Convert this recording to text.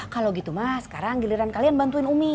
kalau gitu mas sekarang giliran kalian bantuin umi